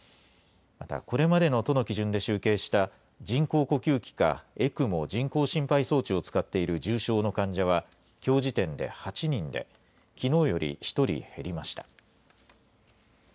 またこれまでの都の基準で集計した、人工呼吸器か、ＥＣＭＯ・人工心肺装置を使っている重症の患者は、きょう時点で８人で、きのうより１人減りました。